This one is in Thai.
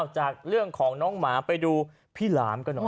จากเรื่องของน้องหมาไปดูพี่หลามกันหน่อย